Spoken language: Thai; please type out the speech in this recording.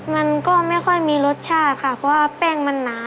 มันก็ไม่ค่อยมีรสชาติค่ะเพราะว่าแป้งมันหนา